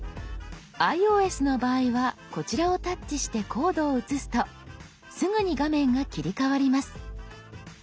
ｉＯＳの場合はこちらをタッチしてコードを写すとすぐに画面が切り替わります。